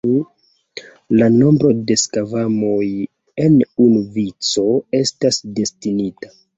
La nombro de skvamoj en unu vico estas destinita.